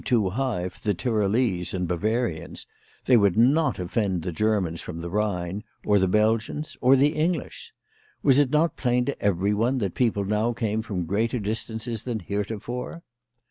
too high for the Tyrolese and Bavarians, they would not offend the Germans from the Ehine, or the Belgians, or the English. Was it not plain to every one that people now came from greater distances than heretofore?